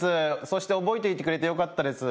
そして覚えていてくれてよかったです。